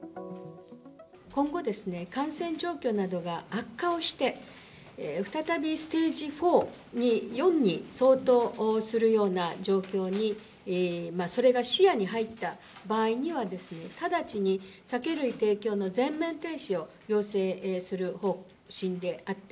今後、感染状況などが悪化をして、再びステージ４に相当するような状況に、それが視野に入った場合には、直ちに酒類提供の全面停止を要請する方針であって。